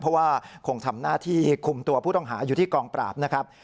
เพราะว่าคงทำหน้าที่คุมตัวผู้ต้องหาอยู่ที่กองปราบนะครับ